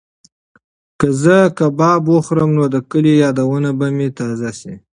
که زه کباب وخورم نو د کلي یادونه به مې تازه شي.